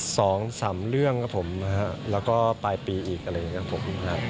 สองสามเรื่องครับผมนะฮะแล้วก็ปลายปีอีกอะไรอย่างเงี้ครับผมครับ